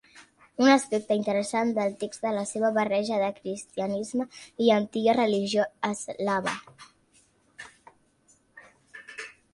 Un aspecte interessant del text és la seva barreja de cristianisme i antiga religió eslava.